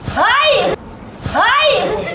เฮ้ยเฮ้ย